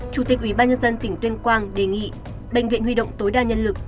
chủ tịch ủy ban nhân dân tỉnh tuyên quang đề nghị bệnh viện huy động tối đa nhân lực